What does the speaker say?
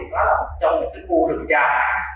đó là trong một cái khu đường trang